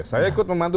saya ikut membantu